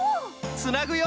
つなぐよ！